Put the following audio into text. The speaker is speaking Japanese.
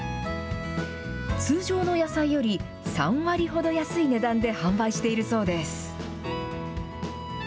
通常の野菜より３割ほど安い値段で販売しているそうです。